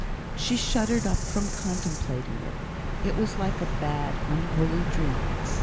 She shuddered up from contemplating it; it was like a bad, unholy dream.